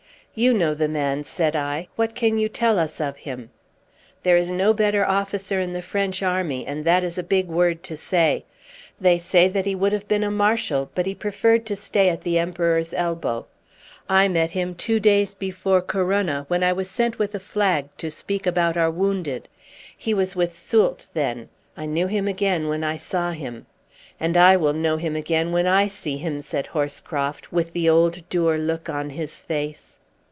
"You know the man," said I. "What can you tell us of him?" "There is no better officer in the French army, and that is a big word to say. They say that he would have been a marshal, but he preferred to stay at the Emperor's elbow. I met him two days before Corunna, when I was sent with a flag to speak about our wounded. He was with Soult then. I knew him again when I saw him." "And I will know him again when I see him!" said Horscroft, with the old dour look on his face.